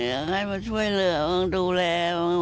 อยากให้คนช่วยอย่างไรบ้าง